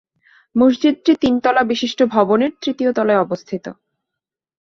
মসজিদটি তিন তলা বিশিষ্ট ভবনের তৃতীয় তলায় অবস্থিত।